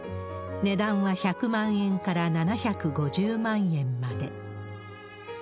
値段は１００万円から７５０万円まで。